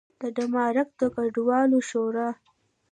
د ډنمارک د کډوالو شورا